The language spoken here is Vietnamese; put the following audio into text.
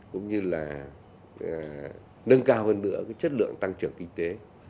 cũng như là nâng cao hơn nữa cái chất lượng tăng trưởng kinh tế